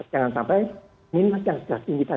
jangan sampai minat yang sudah